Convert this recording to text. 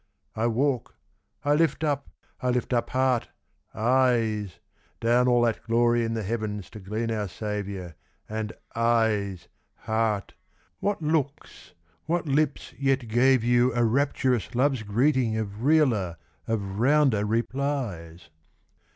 I walk, I lift up, I lift up heart, eyes, Down all that glory in the heavens to glean our Saviour; And, éyes, heárt, what looks, what lips yet gave you a Rapturous love's greeting of realer, of rounder replies?